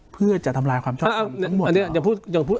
เพื่อจะทำลายความชอบความทั้งหมดอ่าอันเนี้ยอย่าพูดอย่าพูด